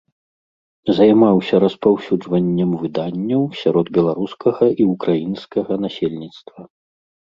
Займаўся распаўсюджваннем выданняў сярод беларускага і ўкраінскага насельніцтва.